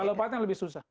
kalau patent lebih susah